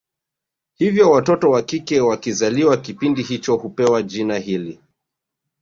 Hivyo watoto wakike wakizaliwa kipindi hicho hupewa jina hili